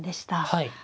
はい。